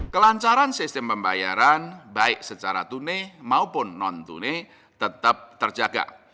kelancaran sistem pembayaran baik secara tunai maupun non tunai tetap terjaga